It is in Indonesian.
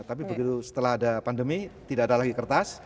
tapi begitu setelah ada pandemi tidak ada lagi kertas